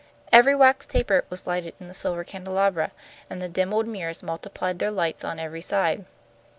Every wax taper was lighted in the silver candelabra, and the dim old mirrors multiplied their lights on every side.